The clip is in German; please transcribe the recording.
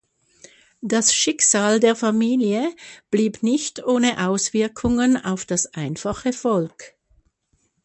Das Schicksal der Familie blieb nicht ohne Auswirkungen auf das einfache Volk.